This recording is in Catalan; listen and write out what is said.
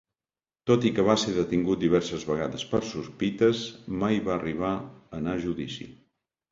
Tot i que va ser detingut diverses vegades per sospites, mai va arribar a anar a judici.